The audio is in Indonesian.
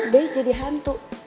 be jadi hantu